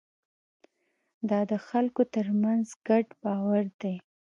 دا د خلکو ترمنځ ګډ باور دی.